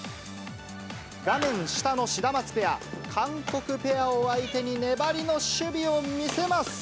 画面下のシダマツペア、韓国ペアを相手に粘りの守備を見せます。